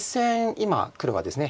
今黒がですね